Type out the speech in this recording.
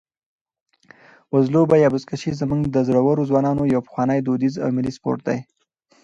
وزلوبه یا بزکشي زموږ د زړورو ځوانانو یو پخوانی، دودیز او ملي سپورټ دی.